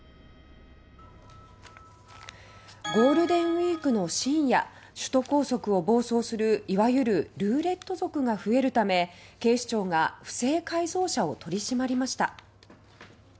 ゴールデンウィークの深夜首都高速を暴走するいわゆるルーレット族が増えるため警視庁が不正改造車を取り締まりました。